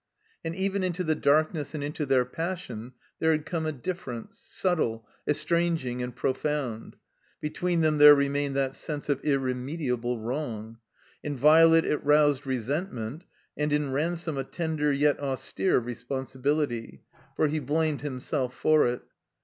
And even into the darkness and into their passion there had come a difference, subtle, estranging, and profound. Between them there remained that sense of irremediable wrong. In Violet it roused resent ment and in Ransome a tender yet austere respon sibility. For he blamed himself for it.